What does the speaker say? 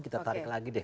kita tarik lagi deh